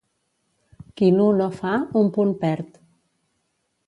Qui nu no fa, un punt perd.